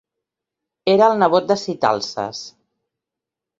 Era el nebot de Sitalces.